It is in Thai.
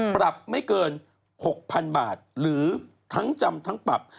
ปรับไม่เกิน๖๐๐๐บาทหรือทั้งจำทั้งปรับ